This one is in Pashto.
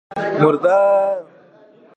مراد بکس راښکته کړ.